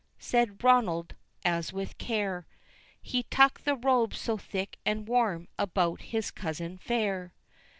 said Ronald, as with care He tucked the robes so thick and warm about his cousin fair.